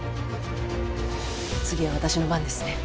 次は私の番ですね。